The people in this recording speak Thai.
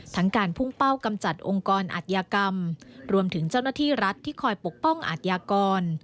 การพุ่งเป้ากำจัดองค์กรอัธยากรรมรวมถึงเจ้าหน้าที่รัฐที่คอยปกป้องอาทยากร